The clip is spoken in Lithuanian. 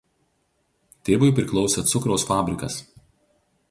Tėvui priklausė cukraus fabrikas.